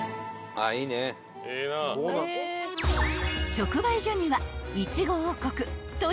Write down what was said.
［直売所には］